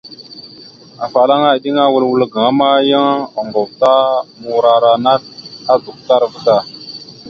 Afalaŋa eɗeŋa awal wal gaŋa ma, yan oŋgov ta morara naɗ a duktar da.